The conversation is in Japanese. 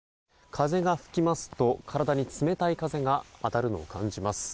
風が吹きますと体に冷たい風が当たるのを感じます。